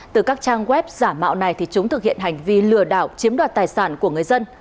từ các trang web giả mạo này thì chúng thực hiện hành vi lừa đảo chiếm đoạt tài sản của người dân